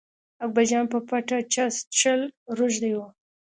اکبرجان به په پټه چرس څښل روږدي و.